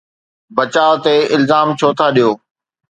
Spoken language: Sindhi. بچاءُ تي الزام ڇو ٿا ڏيو؟